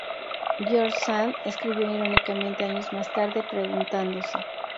George Sand escribió irónicamente, años más tarde, preguntándose:.